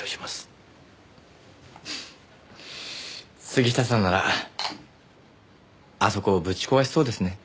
杉下さんならあそこをぶち壊しそうですね。